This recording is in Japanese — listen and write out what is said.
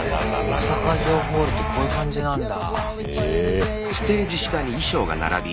大阪城ホールってこういう感じなんだ。